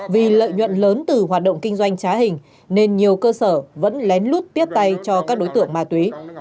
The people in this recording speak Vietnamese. vì lợi nhuận lớn từ hoạt động kinh doanh trá hình nên nhiều cơ sở vẫn lén lút tiếp tay cho các đối tượng ma túy